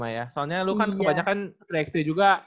lima puluh lima ya soalnya lo kan kebanyakan tri x tree juga